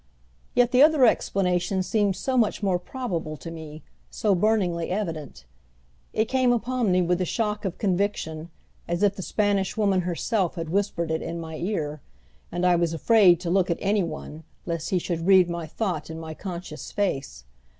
Yet the other explanation seemed so much more probable to me, so burningly evident. It came upon me with the shock of conviction, as if the Spanish Woman herself had whispered it in my ear, and I was afraid to look at any one lest he should read my thought in my conscious face.